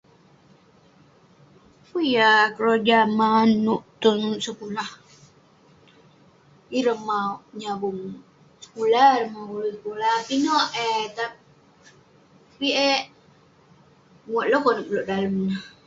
Pun yah keroja man nouk tong sekulah. Ireh mauk nyabung sekulah, [unintelligible] pinek eh tapik eh buat long konep ulouk dalem neh.